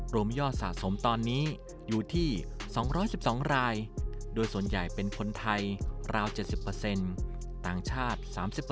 รวมยอดสะสมตอนนี้อยู่ที่๒๑๒รายโดยส่วนใหญ่เป็นคนไทยราว๗๐ต่างชาติ๓๘